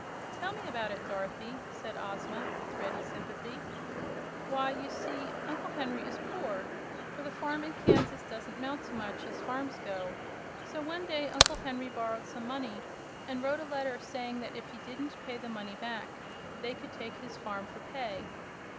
"Tell me about it, Dorothy," said Ozma, with ready sympathy. "Why, you see Uncle Henry is poor; for the farm in Kansas doesn't 'mount to much, as farms go. So one day Uncle Henry borrowed some money, and wrote a letter saying that if he didn't pay the money back they could take his farm for pay.